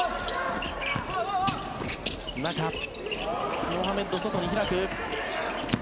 中モハメッド、外に開く。